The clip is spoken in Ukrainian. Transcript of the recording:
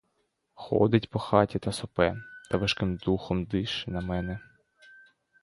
Ходить по хаті, та сопе, та важким духом дише на мене.